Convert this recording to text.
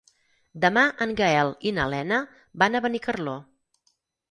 Demà en Gaël i na Lena van a Benicarló.